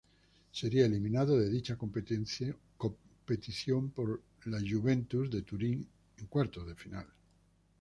Sería eliminado de dicha competición por la Juventus de Turín en cuartos de final.